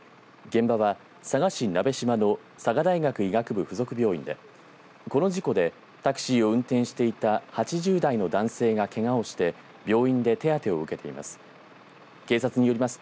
現場は、佐賀市鍋島の佐賀大学医学部付属病院でこの事故で、タクシーを運転していた８０代の男性がけがをして病院で手当てを受けています。